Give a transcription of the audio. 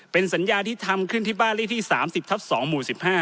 เป็นสัญญาที่ทำขึ้นที่บ้านเลขที่๓๐ทับ๒หมู่๑๕